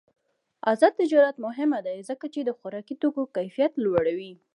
آزاد تجارت مهم دی ځکه چې د خوراکي توکو کیفیت لوړوي.